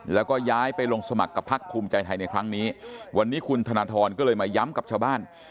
แล้วก็ย้ายไปลงสมัครกับพักภูมิใจไทยในครั้งนี้วันนี้คุณธนทรก็เลยมาย้ำกับชาวบ้าน